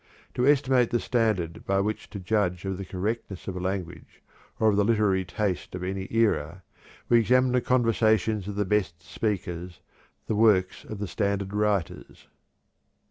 _ To estimate the standard by which to judge of the correctness of language or of the literary taste of any era, we examine the conversations of the best speakers, the works of the standard writers."